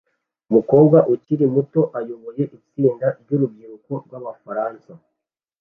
Umukobwa ukiri muto ayoboye itsinda ry’urubyiruko rw’Abafaransa